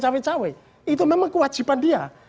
cewek cewek itu memang kewajiban dia